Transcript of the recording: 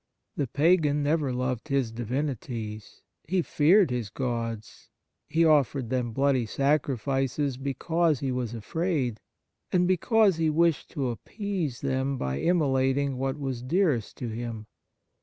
The pagan never loved his divini ties ; he feared his gods, he offered them bloody sacrifices because he was afraid, and because he wished to appease them by immolating what was dearest to him.